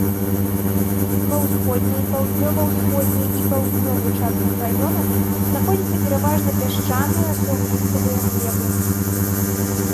Ва ўсходняй, паўднёва-ўсходняй і паўднёвай частках раёна знаходзяцца пераважна пясчаныя суглінкавыя глебы.